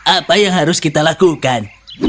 apa yang harus kita lakukan